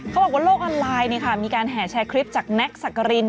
เขาบอกว่าโลกออนไลน์มีการแห่แชร์คลิปจากแน็กสักกริน